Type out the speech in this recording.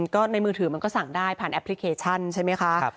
ก็ในมือถือมันก็สั่งได้ผ่านแอปพลิเคชันใช่ไหมคะ